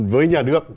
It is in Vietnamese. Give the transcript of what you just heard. với nhà nước